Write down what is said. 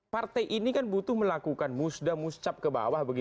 partai ini kan butuh melakukan musda muscap ke bawah